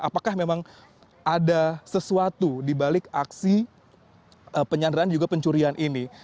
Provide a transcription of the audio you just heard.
apakah memang ada sesuatu dibalik aksi penyanderaan juga pencurian ini